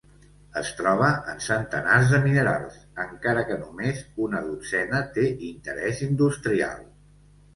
Es troba en centenars de minerals, encara que només una dotzena té interés industrial.